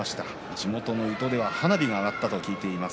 地元では花火が上がったと聞いています。